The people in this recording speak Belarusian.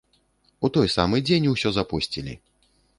У той самы дзень усё запосцілі!